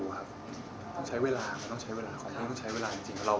ก็บอกให้คุณพ่อฟื้นมาให้เขาคุยกันใหม่อย่างนั้น